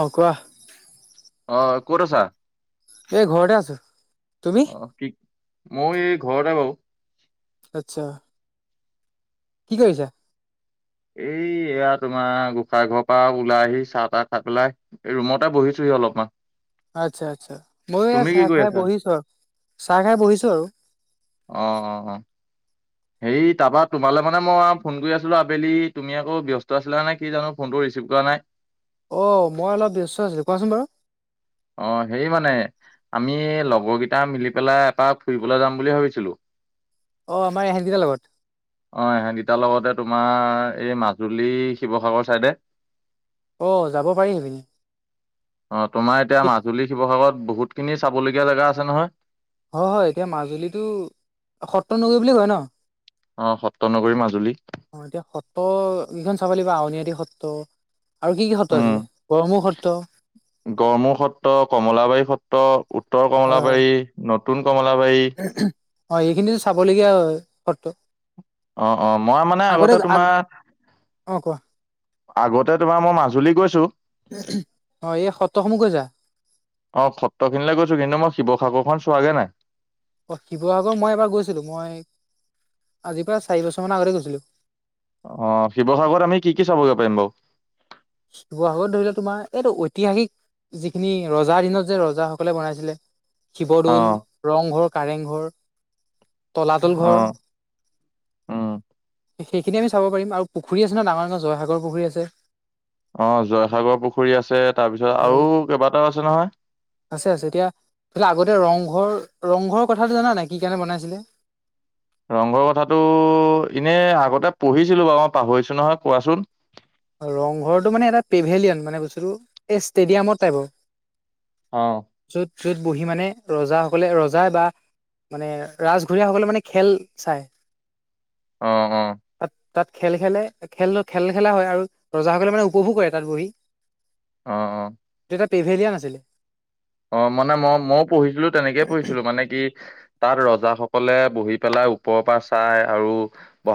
অ কোৱা। অ ক'ত আছা? এই ঘৰতে আছো তুমি? অ কি মই এই ঘৰতে বাও। আচ্ছা। কি কৰিছা। এই এয়া তোমাৰ গোসাঁই ঘৰৰ পৰা ওলাই আহি চাহ -তাহ খাই পেলাই। ৰুমতে বহি ছোহি অলপমান। আচ্ছা আচ্ছা ময়ো এয়া তুমি কি চাহ কৰি খাই আছা বহিছো, চাহ খাই বহিছো আৰু। অ অ অ। হেৰি তাপা তোমালৈ মানে মই ফোন কৰি আছিলোঁ আবেলি তুমি আকৌ ব্যস্ত আছিলা নে কি জানো ফোনটো ৰিচিভ কৰা নাই। [inaudible] অ'! মই অলপ ব্যস্ত আছিলোঁ। কোৱাচোন বাৰু? অ'! হেৰি মানে, আমি, লগৰকেইটা মিলি পেলাই, এপাক ফুৰিবলৈ যাম বুলি, ভাবিছিলোঁ। অ'! আমাৰ, এহেঁতকেইটা লগত। অ'! এহেঁত কেইটাৰ লগতে, তোমাৰ, এই মাজুলী, শিৱসাগৰ চাইডে। অ'! যাব পাৰিম। অ'! তোমাৰ এতিয়া, মাজুলী, শিৱসাগৰত বহুতখিনি, চাবলগীয়া জেগা আছে, নহয়? হয়, হয়। এতিয়া, মাজুলীটো, সত্ৰ নগৰী বুলি, কয় ন'? অ'! সত্ৰ নগৰী, মাজুলী। অ'! এতিয়া, সত্ৰ কেইখন চাব লাগিব, আউনীআটী সত্ৰ। আৰু কি কি সত্ৰ উম আছিলে? গড়মূৰ সত্ৰ। গড়মূৰ সত্ৰ, কমলাবাৰী সত্ৰ, উত্তৰ হয় কমলাবাৰী, নতুন কমলাবাৰী। হয়! এইখিনিতো, চাবলগীয়া সত্ৰ। অ' অ'! মই মানে, আগতে তোমাৰ অ কোৱা আগতে, তোমাৰ মই, মাজুলী গৈছোঁ। অ এই সত্ৰসমূহ গৈছা অ'! সত্ৰ খিনিলৈ গৈছোঁ। কিন্তু, মই শিৱসাগৰখন চোৱাগে নাই। অ'! শিৱসাগৰ মই, এবাৰ গৈছিলোঁ। মই, আজিৰ পৰা, চাৰি বছৰ মানৰ আগতে, গৈছিলোঁ। অ'! শিৱসাগৰত আমি, কি কি চাবগৈ, পাৰিম বাৰু? শিৱসাগৰত ধৰি লোৱা, তোমাৰ এইটো, ঐতিহাসিক যিখিনি, ৰজাৰ দিনত যে, ৰজাসকলে বনাইছিলে। অ শিৱদৌল, ৰংঘৰ, কাৰেংঘৰ, তলাতল অ ঘৰ। উম সেইখিনি, আমি চাব পাৰিম আৰু। পুখুৰী আছে ন', ডাঙৰ -ডাঙৰ জয়সাগৰ পুখুৰী আছে। অ'! জয়সাগৰ পুখুৰী আছে। তাৰপিছত, আৰু কেইবাটাও আছে, নহয়। আছে, আছে। এতিয়া, আগতে ৰংঘৰ, ৰংঘৰৰ কথাটো, জানা নাই? কি কাৰণে, বনাইছিলে? ৰংঘৰ কথাটো, এনে আগতে, পঢ়িছিলো বাৰু। মই, পাহৰিছোঁ নহয়। কোৱাচোন? ৰংঘৰটো মানে, এটা পেভেলিয়ান। মানে, বস্তুটো এই, ষ্টেডিয়ামৰ টাইপৰ। অ'! য'ত, য'ত বহি মানে, ৰজাসকলে, ৰজা বা মানে, ৰাজঘৰীয়াসকলে মানে, খেল চায়। অ' অ'! তাত, তাত খেল, খেলে। খেল- খেল, খেলা হয় আৰু। ৰজাসকলে মানে, উপভোগ কৰে, তাত বহি। অ' অ'! তেতিয়া পেভেলিয়ান আছিলে। অ'! মানে মই, মইয়ো পঢ়িছিলোঁ, তেনেকেই পঢ়িছিলোঁ। মানে, কি? তাত, ৰজাসকলে বহি পেলাই, ওপৰৰ পৰা চাই আৰু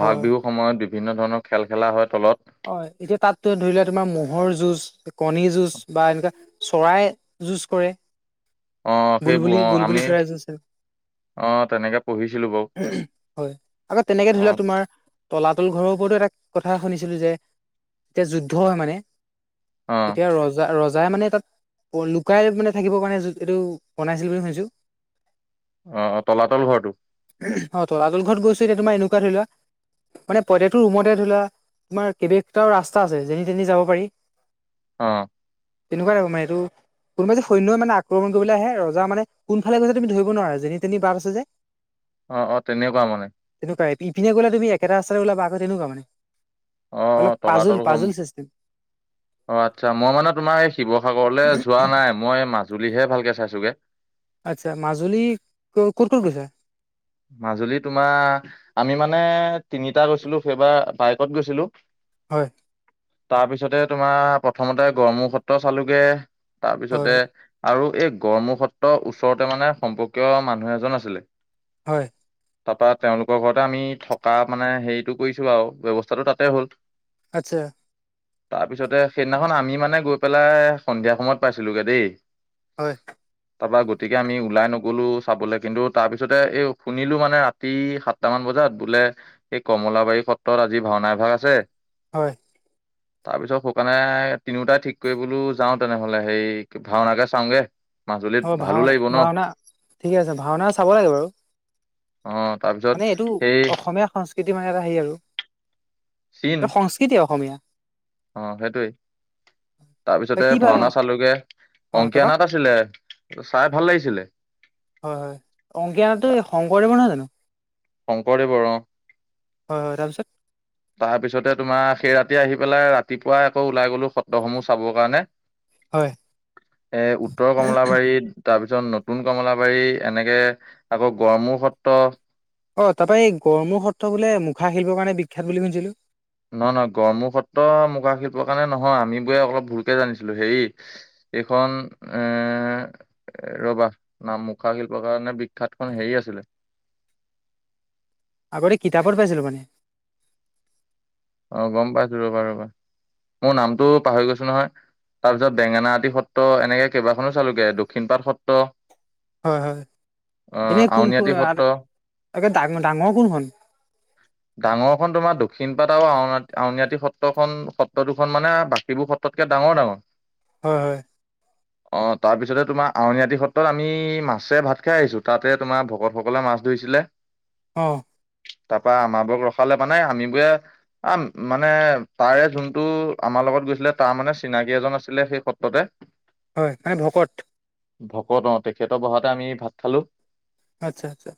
হয় হয়। বিহু। সময়ত, বিভিন্ন ধৰণৰ খেল, খেলা হয়, তলত। হয়! এতিয়া তাততো, ধৰি লোৱা তোমাৰ, ম'হৰ যুঁজ, কণী যুঁজ বা এনেকোৱা, চৰাই যুঁজ কৰে, অ সেইবোৰ অ বুলবুলি-বুলবুলি আমি চৰাই যুঁজ কৰে। অ তেনেকে পঢ়িছিলো বাৰু ওহোঁ! হয়। আকৌ, তেনেকে অ ধৰি লোৱা, তোমাৰ তলাতল ঘৰৰ ওপৰতো, এটা কথা শুনিছিলোঁ যে, এতিয়া, যুদ্ধ হয় মানে। অ তেতিয়া, ৰজ ৰজা, ৰজাই মানে, তাত লুকাই মানে, থাকিবৰ কাৰণে, এইটো বনাইছিল, বুলি শুনিছোঁ। অ' অ'! তলাতল ঘৰটো? [unintelligible] অ'! তলাতল ঘৰত গৈছোঁ। এতিয়া, তোমাৰ এনেকুৱা, ধৰিলোৱা মানে, প্ৰত্যেকটো ৰুমতে ধৰিলোৱা, তোমাৰ, কেইবাটাও ৰাস্তা আছে। যেনি- তেনি যাব পাৰি। অ'! তেনেকোৱা [unintelligible] এইটো। কোনোবাই যদি, সৈন্যই মানে, আক্ৰমণ কৰিবলৈ আহে, ৰজা মানে, কোনফালে গৈছে, তুমি ধৰিব নোৱাৰা। যেনি- তেনি বাট আছে, যে। অ' অ'! তেনেকোৱা মানে। তেনেকুৱাই। ইপিনে গলে তুমি একেটা ৰাস্তাতে ওলাবা আকৌ, তেনেকুৱা মানে। অ' অলপ পাজোল তলাতল ঘম। পাজোল চিষ্টেম অ' আচ্ছা। মই মানে তোমাৰ এই শিৱসাগৰলৈ যোৱা নাই, মই মাজুলীহে ভালকে চাইছোঁগে। আচ্ছা, মাজুলী ক- ক'ত - ক'ত গৈছা? মাজুলী তোমাৰ আমি মানে তিনিটা গৈছিলোঁ, সেইবাৰ বাইকত গৈছিলোঁ। হয়। তাৰপিছতে তোমাৰ প্ৰথমতে গড়মূৰ সত্ৰ চালোগে, তাৰপিছতে হয় আৰু এই গড়মূৰ সত্ৰৰ ওচৰতে মানে সম্পৰ্কীয় মানুহ এজন আছিলে। হয়। তাৰপৰা তেওঁলোকৰ ঘৰতে আমি থকা মানে হেৰিটো কৰিছোঁ আৰু, ব্যৱস্থাটো তাতে হ'ল। আচ্ছা। তাৰপিছতে সেইদিনাখন আমি মানে গৈ পেলাই সন্ধিয়া সময়ত পাইছিলোগে দেই। হয়। তাৰপৰা গতিকে আমি ওলাই নগলো চাবলে। কিন্তু তাৰপিছতে এই শুনিলোঁ মানে ৰাতি সাতটা মান বজাত, বোলে এই কমলাবাৰী সত্ৰত আজি ভাওনা এভাগ আছে। হয়। [unintelligible] তাৰপিছত শুকানে তিনিওটাই ঠিক কৰি বোলো যাওঁ তেনেহলে, সেই কি- ভাওনাকে চাওঁগে। মাজুলীত ভালো লাগিব ন'। ঠিক আছে। ভাওনা চাব লাগে বাৰু। অ' তাৰ পিছত মানে এইটো অসমীয়া সংস্ কৃতি মানে এটা হেৰি আৰু। চীন এ সংস্কৃতি অসমীয়া। অ' সেইটোৱে। তই তাৰপিছতে কি ভা ভাওনা চালোঁগে। অ অংকীয়া তাৰপা নাট আছিলে। চাই ভাল লাগিছিলে। হয় - হয়। অংকীয়াটো এই শংকৰদেৱৰ নহয় জানো? শংকৰদেৱৰ অ'। হয় - হয়, তাৰপিছত? তাৰপিছতে তোমাৰ সেই ৰাতি আহি পেলাই ৰাতিপুৱাই আকৌ ওলাই গ'লো সত্ৰসমূহ চাবৰ কাৰণে। হয় এ উত্তৰ কমলাবাৰীত তাৰপিছত নতুন কমলাবাৰী, এনেকে আকৌ গড়মূৰ সত্ৰ অ' তাৰপৰা এই গড়মূৰ সত্ৰ বোলে মুখা শিল্পৰ কাৰণে বিখ্যাত বুলি শুনিছিলোঁ। নহয় - নহয়, গড়মূৰ সত্ৰ মুখা শিল্পৰ কাৰণে নহয়। আমিবোৰে অলপ ভুলকে জানিছিলো, হেৰি এইখন এ এ ৰবা, না মুখা শিল্পৰ কাৰণে বিখ্যাতখন হেৰি আছিলে আগতে কিতাপত পাইছিলোঁ মানে। অ' গম পাইছোঁ, ৰবা - ৰবা। মোৰ নামটো পাহৰি গৈছোঁ নহয়। তাৰপিছত বেঙেনাআতি সত্ৰ, এনেকে কেইবাখনো চালোগে, দক্ষিণপাট সত্ৰ। হয় - হয়। আহ এনেই আউনীআটী কোনখন- সত্ৰ অ'- একে ডাঙ- ডাঙৰ কোনখন? ডাঙৰখন তোমাৰ দক্ষিণ পাট আৰু আউন- আউনআটী সত্ৰখন- সত্ৰ দুখন মানে বাকীবোৰ সত্ৰতকে ডাঙৰ - ডাঙৰ। হয় - হয়। অ' তাৰপিছতে তোমাৰ আউনীআট সত্ৰত আমি মাছে ভাত খাই আহিছোঁ। তাতে তোমাৰ ভকতসকলে মাছ ধৰিছিলে। অ'। তাৰপা আমাক বৰ ৰখালে মানে আমিবোৰে আ- মানে তাৰে যোনটো আমাৰ লগত গৈছিলে, তাৰ মানে চিনাকি এজন আছিলে সেই সত্ৰতে। [inaudible] হয়, তাই ভকত ভকত অহ, তেখেতৰ বহাতে আমি ভাত খালোঁ। আচ্ছা আচ্ছা,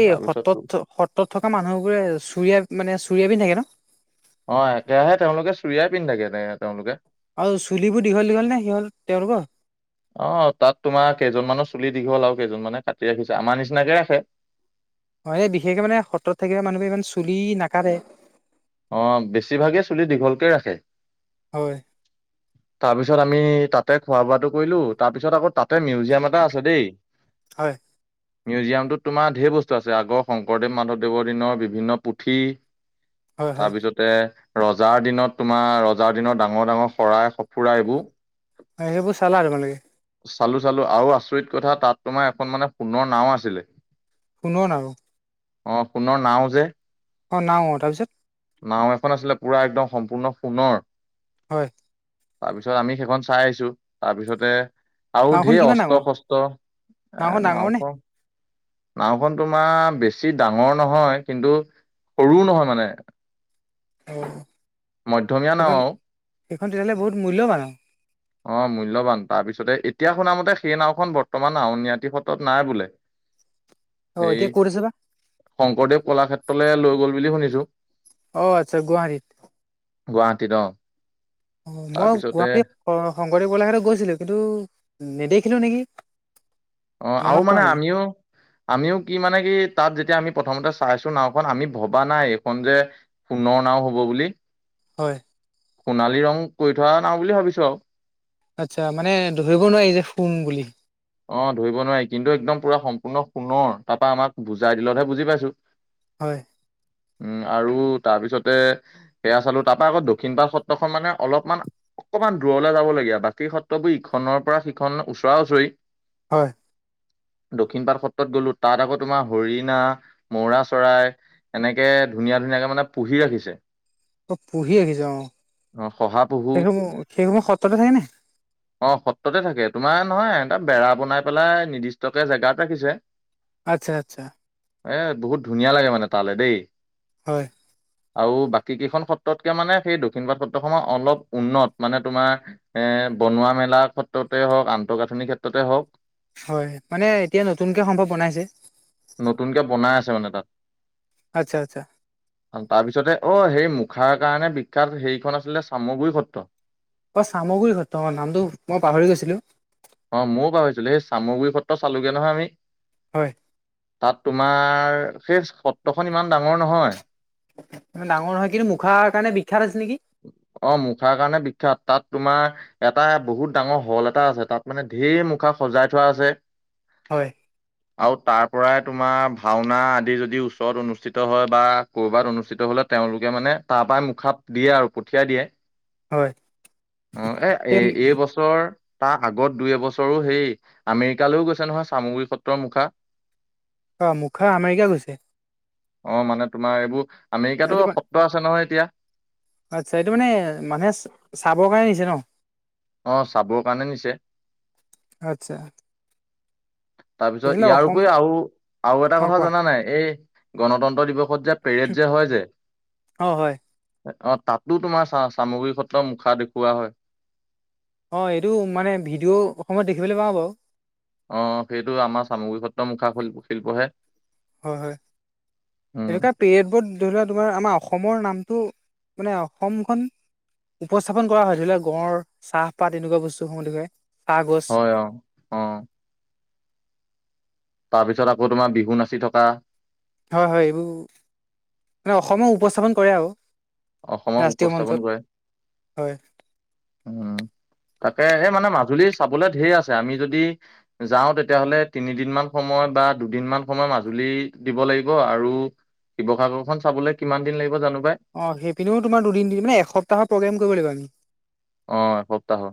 এই সত্ৰত থ সত্ৰত থকা মানুহবোৰে চুৰিয়া মানে চুৰিয়া পিন্ধি থাকে নহ। অহ, একেৰাহে তেওঁলোকে চুৰিয়াই পিন্ধ থাকে, তেওঁলোকে আৰু চুলিবোৰ দীঘল দীঘল নে সিহঁত তেওঁলোকৰ অহ তাত তোমাৰ কেইজনমানৰ চুলি দীঘল আৰু কেইজন মানে কাটি ৰাখিছে, আমাৰ নিচিনাকে ৰাখে। হয়, এই বিশেষকে মানে সত্ৰত থাকিলে মানুহে ইমান চুলি নাকাতে অহ, বেছিভাগে চুলি দীঘলকে ৰাখে। হয়। তাৰ পিছত আমি তাতে খোৱা বোৱাটো কৰিলো। তাৰ পিছত আকৌ তাত তাত মিউজিয়াম এটা আছে দেই হয় মিউজিয়ামটোত তোমাৰ ঢেৰ বস্তু আছে, আগৰ শংকৰদেৱ মাধৱদেৱৰ দিনৰ বিভিন্ন পুথি হয় হয় তাৰপিছতে ৰজাৰ দিনত তোমাৰ ৰজাৰ দিনত ডাঙৰ ডাঙৰ শৰাই সঁফুৰা এইবোৰ সেইবোৰ চালা, তোমালোকে চালোঁ চালোঁ আৰু আচৰিত কথা, তাত তোমাৰ এখন মানে সোণৰ নাও আছিলে। শুনোৱা না অহ সোণৰ নাও যে অহ নাও তাৰপিছত নাও এখন আছিলে, পুৰা একদম সম্পূৰ্ণ সোণৰ হয়। তাৰপিছত আমি সেইখন চাই আহিছোঁ। তাৰপিছতে আৰু নাওখন ঢেৰ কিমান ডাঙৰ অস্ত্ৰ শস্ত, নাওখন ডাঙৰ নাও নে খন নাওখন তোমাৰ বেছি ডাঙৰ নহয়। কিন্তু সৰুও নহয় মানে অহ মধ্যমীয়া নাও আৰু সেইখন তেতিয়াহলে বহুত মূল্যৱান আৰু অ মূল্যবান, তাৰপিছতে এতিয়া শুনামতে সেই নাওখন বৰ্তমান আউনিআটী সত্ৰত নাই বোলে। [inaudible] অহ, সেই এতিয়া কত আছে বা শংকৰদেৱ কলাক্ষেত্ৰলৈ লৈ গ'ল বুলি শুনিছোঁ। অহ, আচ্ছা গুৱাহাটীত গুৱাহাটীত অহ মই গুৱাহাটী শংকৰদেৱ গোলাঘাটত গৈছিলো, কিন্তু নেদেখিলো নেকি অহ আৰু মনত পৰা মানে নাই আমিও আমিও কি মানে কি তাত যেতিয়া আমি প্ৰথমতে চাইছো নাওখন আমি ভবা নাই এইখন যে সোণৰ নাও হব বুলি হয়। সোণালী ৰং কৰি থোৱা নাও বুলি ভাবিছোঁ, আৰু আচ্ছা, মানে ধৰিব নোৱাৰি যে সোণ বুলি অ, ধৰিব নোৱাৰি কিন্তু একদম পুৰা সম্পূৰ্ণ সোণৰ তাৰ পৰা আমাক বুজাই দিলতহে বুজি পাইছো। হয়। উম, আৰু তাৰপিছতে সেয়া চালো, তাৰ পৰা আকৌ দক্ষিণ পাৰ সত্ৰখন মানে অলপমান অকমান দূৰলৈ যাবলগীয়া বাকী সত্ৰবোৰ ইখনৰ পৰা সিখন ওচৰা - ওচৰি। হয়। দক্ষিণ পাট সত্ৰত গলো তাত আকৌ তোমাৰ হৰিণা, মৌৰা চৰাই এনেকে ধুনীয়া - ধুনীয়াকে মানে পুহি ৰাখিছে। অ, পুহি ৰাখিছ অহ, অ শহা পহু সেইসমূহ - সেইসমূহ সত্ৰতে থাক নে? অহ, সত্ৰতে থাকে। তোমাৰ নহয় এটা বেৰা বনাই পেলাই নিৰ্দিষ্টকে জেগাত ৰাখিছে। আচ্ছা - আচ্ছা। এ বহুত ধুনীয়া লাগে মানে তালে দেই। হয়। [inaudible] আৰু বাকী কেইখন সত্ৰতকে মানে সেই দক্ষিণ পাৰত সত্ৰসমহ অলপ উন্নত মানে তোমাৰ এ বনোৱা মেলা ক্ষেত্ৰতে হওক আন্ত গাঁথনিৰ ক্ষেত্ৰতে হওক। হয় মানে এতিয়া নতুনকে সম্ভৱ বনাইছে। নতুনকে বনাই আছে মানে তাত। আচ্ছা - আচ্ছা। তাৰপিছতে অ, সেই মুখাৰ কাৰণে বিখ্যাত হেৰিখন আছিলে চামগুৰি সত্ৰ। অ, চামগুৰি সত্ৰ অ, নামটো মই পাহৰি গৈছিলো। অ, ময়ো পাহৰিছিলো সেই চামগুৰি সত্ৰ চালোগে নহয় আমি। হয়। তাত তোমাৰ সেই সত্ৰখন ইমান ডাঙৰ নহয়। ডাঙৰ নহয় কিন্তু মুখাৰ কাৰণে বিখ্যাত আছে নেকি। অ, মুখাৰ কাৰণে বিখ্যাত তাত তোমাৰ এটা বহুত ডাঙৰ হল এটা আছে তাত। মানে ঢেৰ মুখা সজাই থোৱা আছে। হয়। [inaudible] আৰু তাৰ পৰাই তোমাৰ ভাওনা আদি যদি ওচৰত অনুষ্ঠিত হয় বা ক'বাত অনুষ্ঠিত হলে তেওঁলোকে মানে তাৰ পৰাই মুখাত দিয়ে আৰু পঠিয়াই দিয়ে। হয় অ, এ - এই বছৰ তাৰ আগত দুই এবছৰো হেই আমেৰিকালৈও গৈছে নহয় চামগৰি সত্ৰৰ মুখা। অ মুখা আমেৰিকা গৈছে। অ মানে তোমাৰ এইবোৰ আমেৰিকাতো এইটো সত্ৰ আছে নহয় এতিয়া। আচ্ছা, এইটো মানে মানুহে চাবৰ কাৰণে নিছে ন? অঁ চাবৰ কাৰণে নিছে। আচ্ছা। তাৰপিছত তেতিয়াহ'লে ইয়াৰ অসম উপৰি আৰু আৰু এটা অ কথা কোৱা জানা নাই এই গণতন্ত্ৰ দিৱসত যে পেৰেড যে হয় যে। অ, তাতো তোমাৰ চা - চামগুৰি সত্ৰৰ মুখা দেখুওৱা হয়। অ, এইটো মানে ভিডিঅ' অসমত দেখিবলে পাও বাৰু। অ, সেইটো আমাৰ চামগুৰি সত্ৰ মুখা শি শিল্পহে। হয় - হয় উম এনেকুৱাত পেয়েড বোত ধৰি লোৱা তোমাৰ আমাৰ অসমৰ নামটো মানে অসমখন উপস্থাপন কৰা হয় ধৰি লোৱা গঁড় চাহপাত তেনেকুৱা বস্তুসমূহৰে, চাহ গছ। অ। হয় অ তাৰপিছত আকৌ তোমাৰ বিহু নাচি থকা হয় হয় এইবোৰ মানে অসমো উপস্থাপন কৰে আৰু। অসমক ৰাষ্ট্ৰীয় উপস্থাপন মঞ্চত কৰে হয়। উম তাকে এ মানে মাজুলী চাবলে ধেৰ আছে, আমি যদি যাওঁ তেতিয়াহলে তিনিদিনমান সময় বা দুদিনমান সময় মাজুলী দিব লাগিব আৰু শিৱসাগৰখন চাবলে কিমান দিন লাগিব জানো পাই অঁ সেইপিনিও তোমাৰ দুদিন তিনি মানে এসপ্তাহৰ প্ৰগ্ৰেম কৰিব লাগিব আমি। অঁ এসপ্তাহৰ।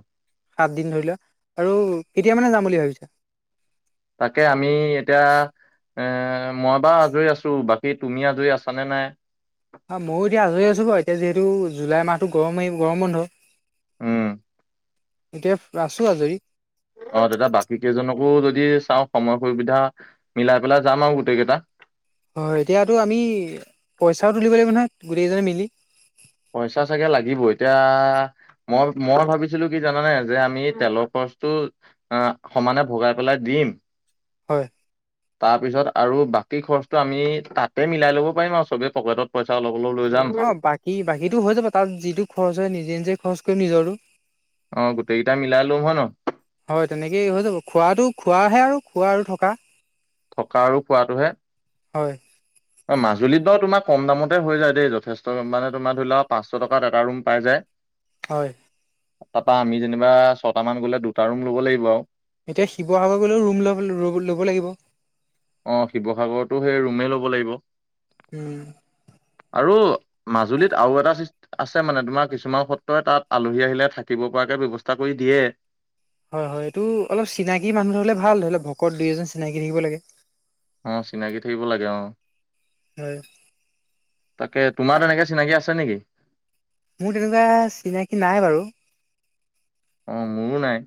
সাত দিন ধৰি লোৱা আৰু কেতিয়া মানে যাম বুলি ভাবিছা? তাকে আমি এতিয়া এ মই বাৰু আজৰি আছো বাক কি তুমি আজৰি আছা নে নাই? আ মইয়ো এতিয়া আজৰি আছো বাৰু এতিয়া যিহেতু জুলাই মাহতো গৰমেই গৰম বন্ধ। উম। এতিয়াপ আছো আজৰি। অ তেতিয়া বাকি কেইজনকো যদি চাওঁ সময় সুবিধা মিলাই পেলাই যাম আৰু গোটেই কেইটা। হয় এতিয়াতো আমি পইচাও তুলিব লাগিব নহয়, গোটেইকেইজনে মিলি। পইচা চাগে লাগিব, এতিয়া মই মই ভাবিছিলো কি জানানে যে' আমি তেলৰ খৰচটো অ সমানে ভগাই পেলাই দিম। হয়। তাৰ পিছত আৰু বাকি খৰচটো আমি তাতে মিলাই ল'ব পাৰিম আৰু চবে পকেটত পইচা অলপ অলপ লৈ যাম। ই বাকিতো হৈ যাব তাত' যিটো খৰচ হয় নিজে নিজে খৰচ কৰিম নিজৰটো। অ গোটেইকেইটা মিলাই লম হয় ন? হয় তেনেকেই হৈ যাব। খোৱাটো খোৱাহে আৰু খোৱা আৰু থকা। থকা আৰু খোৱাটোহে। হয়। অ মাজুলীত বাৰু তোমাৰ কম দামতে হৈ যায় দেই যথেষ্ট মানে' তোমাৰ ধৰি লোৱাক পাঁচশ টকাত এটা ৰুম পাই যায়। [inaudible] হয়। তাৰপা আমি যেনিবা ছটা মান গলে, দুটা ৰুম ল'ব লাগিব আৰু। এতিয়া শিৱসাগৰ গ'লেও ৰুম লব ল'ব লাগিব? অঁ শিৱসাগৰতো সেই ৰুমেই ল'ব লাগিব। উম। আৰু মাজুলীত আৰু এটা আছে মানে, তোমাৰ কিছুমান সত্ৰই তাত আলহী আহিলে থাকিব পৰাকে ব্যৱস্থা কৰি দিয়ে। হয়, হয়, এইটো অলপ চিনাকি মানুহ ধৰিলে ভাল, ধৰি লওক ভকত দুই এজন চিনাকি থাকিব লাগে। অ চিনাকি থাকিব লাগে অ'হ। হয়। তাকে, তোমাৰ তেনেকে চিনাকি আছে নেকি? মোৰ তেনেকুৱা চিনাকি নাই বাৰু। অ মোৰো নাই।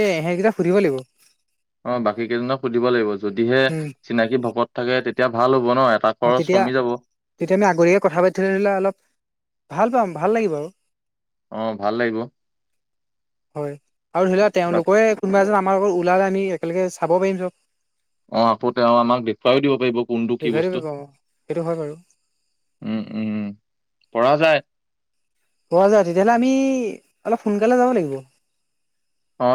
এ এসেটকেইটা সুধিব লাগিব। অ বাকি কেইজনক সুধিব লাগিব, যদিহে উম চিনাকি ভকত থাকে তেতিয়া ভাল হব ন এটা অঁ খৰচ তেতিয়া, কমি যাব তেতিয়া আমি আগতিয়াকে কথা পাতি থলে অলপ ভাল পাম, ভাল লাগিব আৰু। অঁ ভাল লাগিব। হয় আৰু ধৰিলোৱা তেওঁলোকৰে কোনোবা এজন আমাৰ লগত ওলালে আমি একেলগে চাব পাৰিম য়ক। অ আকৌ তেওঁ আমাক দেখুৱাইও দিব পাৰিব। কোনটো কি দেখোৱাই দিব বস্তু পাৰিব অঁহ, সেইটো হয় বাৰু। উম, উম, উম, পৰা যায়। পৰা যায়, তেতিয়াহ'লে আমি অলপ সোনকালে যাব লাগিব। অ